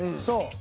そう。